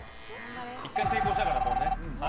１回成功したからもうね。